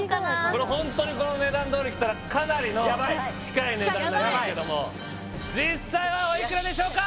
これホントにこの値段どおりきたらかなりの近い値段になりますけどヤバいヤバい実際はおいくらでしょうか？